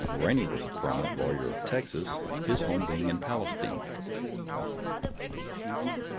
Eainey was a prominent lawyer of Texas, his home being in Palestine.